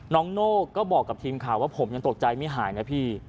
โน่ก็บอกกับทีมข่าวว่าผมยังตกใจไม่หายนะพี่